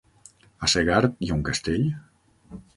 A Segart hi ha un castell?